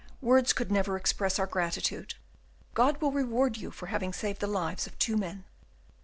words could never express our gratitude. God will reward you for having saved the lives of two men."